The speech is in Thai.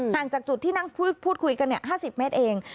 จากจุดที่นั่งพูดคุยกัน๕๐เมตรเอง